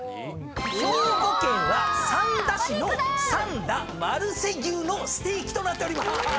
兵庫県は三田市の三田マルセ牛のステーキとなっておりまーす！